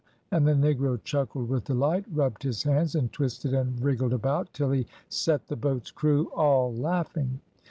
and the negro chuckled with delight, rubbed his hands, and twisted and wriggled about, till he set the boat's crew all laughing.